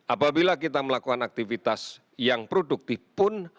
apabila kita melakukan aktivitas yang produktif pun